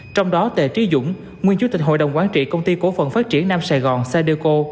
trong đó tệ trí dũng nguyên chủ tịch hội đồng quán trị công ty cố phận phát triển nam sài gòn sadeco